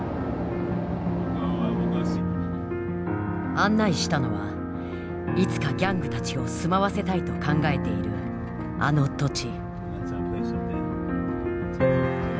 案内したのはいつかギャングたちを住まわせたいと考えているあの土地。